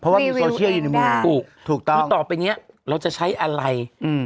เพราะว่ามีทุกต้องต่อไปเนี่ยเราจะใช้อะไรอืม